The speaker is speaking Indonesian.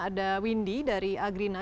ada windy dari agrina